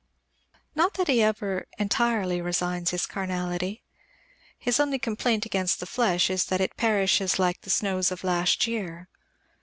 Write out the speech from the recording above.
Not that he ever entirely resigns his carnality. His only complaint against the flesh is that it perishes like the snows of last year.